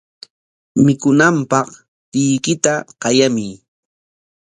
Mikunanpaq tiyuykita qayamuy.